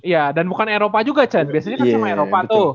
iya dan bukan eropa juga cen biasanya kan cuma eropa tuh